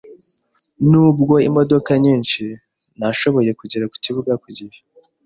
Nubwo imodoka nyinshi, nashoboye kugera ku kibuga ku gihe.